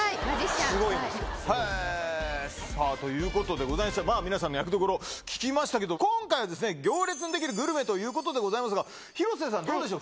すごい。へえ、さあ、ということで、皆さんの役どころ聞きましたけど、今回は行列の出来るグルメということでございますが、広瀬さん、どうでしょう。